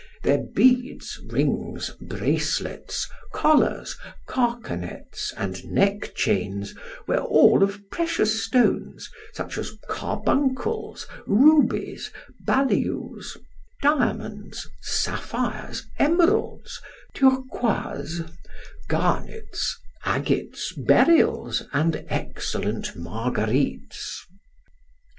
Their beads, rings, bracelets, collars, carcanets, and neck chains were all of precious stones, such as carbuncles, rubies, baleus, diamonds, sapphires, emeralds, turquoises, garnets, agates, beryls, and excellent margarites.